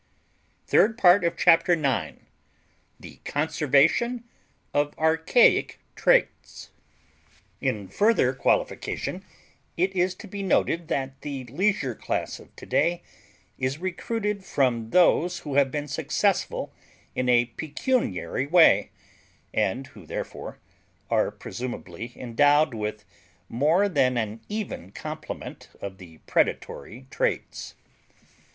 The prima facie evidence of the facts can scarcely go unquestioned. In further qualification it is to be noted that the leisure class of today is recruited from those who have been successful in a pecuniary way, and who, therefore, are presumably endowed with more than an even complement of the predatory traits.